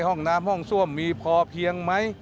ห้องน้ำห้องซ่วมมีพอเพียงไหม